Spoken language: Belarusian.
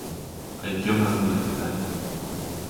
А якія ў нас да іх пытанні?